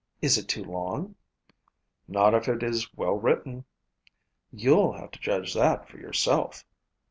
Is it too long?" "Not if it is well written." "You'll have to judge that for yourself."